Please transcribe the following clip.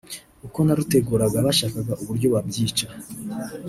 uko naruteguraga bashakaga uburyo babyica